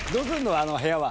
あの部屋は。